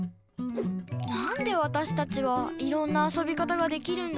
なんでわたしたちはいろんなあそび方ができるんだろう？